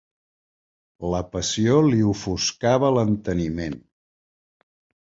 La passió li ofuscava l'enteniment.